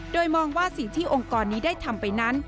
โดยมองว่าสิ่งที่องค์กรนี้ได้ทำไปนั้น